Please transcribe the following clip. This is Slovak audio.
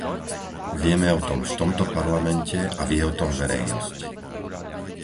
Vieme o tom v tomto Parlamente a vie o tom verejnosť.